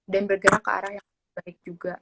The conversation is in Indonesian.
dan bergerak ke arah yang baik juga